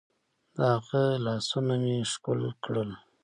د هغه لاسونه مې ښکل کړل.